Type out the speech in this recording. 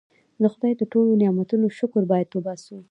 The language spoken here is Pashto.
د خدای د ټولو نعمتونو شکر باید وباسو.